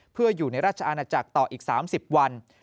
เพื่ออยู่ในราชอาณาจักรต่ออีก๓๐วัน